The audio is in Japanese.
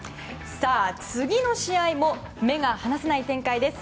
次の試合も目が離せない展開です。